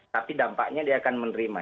tapi dampaknya dia akan menerima